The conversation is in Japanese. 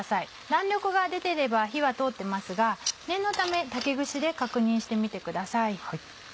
弾力が出てれば火は通ってますが念のため竹串で確認してみてください。